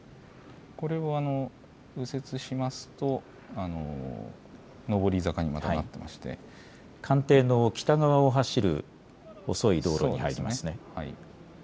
これを右折しますと上り坂に、またなっていまして、官邸の北側を走る細い道路に入りますね。